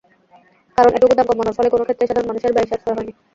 কারণ, এটুকু দাম কমানোর ফলে কোনো ক্ষেত্রেই সাধারণ মানুষের ব্যয় সাশ্রয় হয়নি।